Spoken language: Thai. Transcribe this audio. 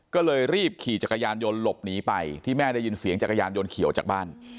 ก็เลยรีบขี่จักรยานยนต์หลบหนีไปที่แม่ได้ยินเสียงจักรยานยนต์เขียวจากบ้าน